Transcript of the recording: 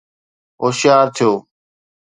هوشيار ٿيو